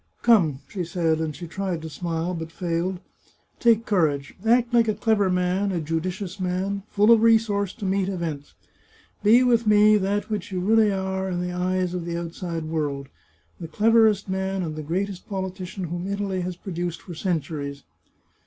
Come," she said, and she tried to smile, but failed, " take courage ; act like a clever man, a judicious man, full of resource to meet events. Be with me that which you really are in the eyes of the outside world — the cleverest man and the great est politician whom Italy has produced for centuries."